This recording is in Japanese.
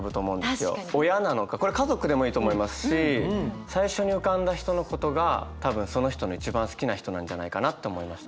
親なのかこれ家族でもいいと思いますし最初に浮かんだ人のことが多分その人の一番好きな人なんじゃないかなって思いました。